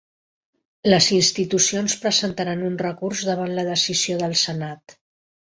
Les institucions presentaran recurs davant la decisió del senat